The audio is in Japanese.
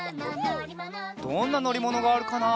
どんなのりものがあるかな？